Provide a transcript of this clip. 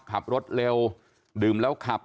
ขับรถเร็วดื่มแล้วขับ